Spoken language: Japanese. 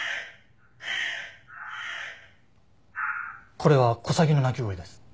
これはコサギの鳴き声です。